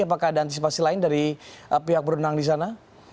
apakah ada antisipasi lain dari pihak berenang di sana